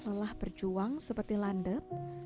lelah berjuang seperti landep